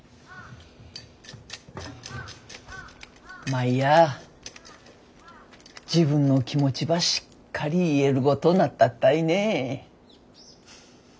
舞や自分の気持ちばしっかり言えるごとなったったいね。